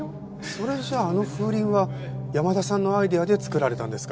それじゃああの風鈴は山田さんのアイデアで作られたんですか。